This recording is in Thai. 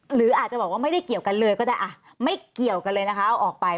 หรืออาจจะบอกว่าไม่ได้เกี่ยวกันเลยก็ได้อ่ะไม่เกี่ยวกันเลยนะคะเอาออกไป